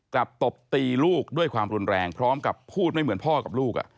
ตบตีลูกด้วยความรุนแรงพร้อมกับพูดไม่เหมือนพ่อกับลูก